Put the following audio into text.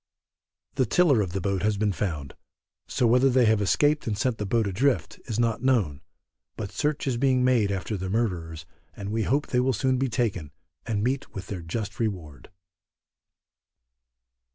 The tiller of the boat has been found, so whether they have escaped and sent the boat adrift is not known, but search is being made after the murderers, and we hope they will soon be taken, and meet with their just reward.